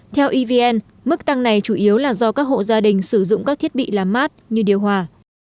theo evn mức tăng này chủ yếu là do các hộ gia đình sử dụng các thiết bị làm mát như điều hòa